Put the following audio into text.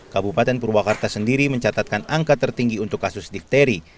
kabupaten purwakarta sendiri mencatatkan angka tertinggi untuk kasus difteri